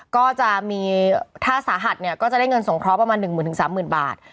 ก็จะมีถ้าสาหัสเนี่ยก็จะได้เงินสงเคราะห์ประมาณหนึ่งหมื่นถึงสามหมื่นบาท